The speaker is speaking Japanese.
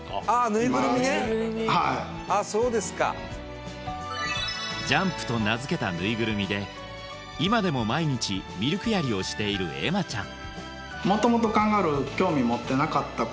ぬいぐるみねそうですかジャンプと名付けたぬいぐるみで今でも毎日ミルクやりをしている愛舞ちゃん